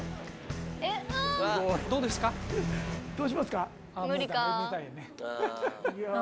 どうしますか？